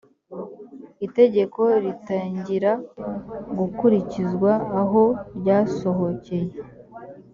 itegeko ritangira gukurikizwa aho ryasohokeye